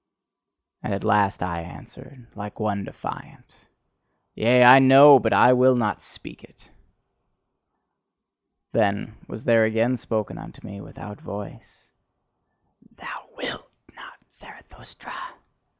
And at last I answered, like one defiant: "Yea, I know it, but I will not speak it!" Then was there again spoken unto me without voice: "Thou WILT not, Zarathustra?